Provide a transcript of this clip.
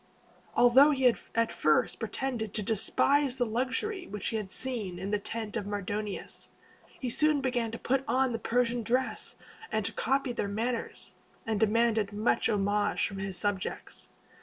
Although he had at first pretended to despise the luxury which he had seen in the tent of Mardonius, he soon began to put on the Persian dress and to copy their manners, and demanded much homage from his subjects.